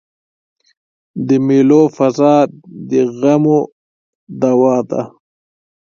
د مېلو فضا د غمو دوا ده.